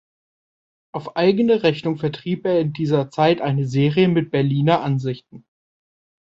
Auf eigene Rechnung vertrieb er in dieser Zeit eine Serie mit Berliner Ansichten.